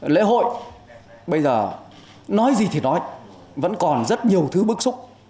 lễ hội bây giờ nói gì thì nói vẫn còn rất nhiều thứ bức xúc